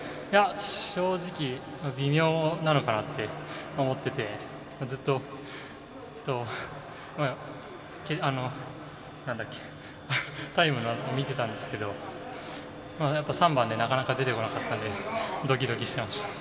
正直、微妙なのかなって思ってて、ずっとタイムを見てたんですけど３番でなかなか出てこなかったんでドキドキしてました。